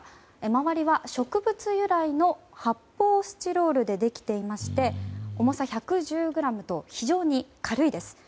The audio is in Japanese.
周りは植物性由来の発泡スチロールでできていまして重さ１１０ｇと非常に軽いです。